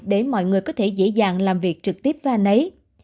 để mọi người có thể dễ dàng làm việc trực tiếp với anh ấy